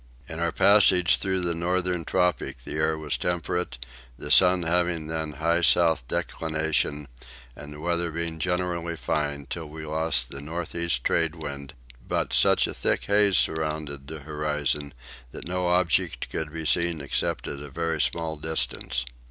In our passage through the northern tropic the air was temperate, the sun having then high south declination and the weather being generally fine till we lost the north east tradewind; but such a thick haze surrounded the horizon that no object could be seen except at a very small distance.